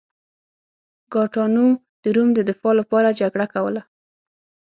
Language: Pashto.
ګاټانو د روم د دفاع لپاره جګړه کوله.